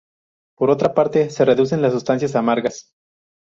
Por otra parte, se reducen las sustancias amargas.